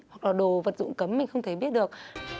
mà đồ vật dụng cấm mình không thể biết được